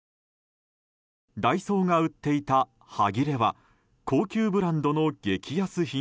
ダイソーが売っていたはぎれは高級ブランドの激安品？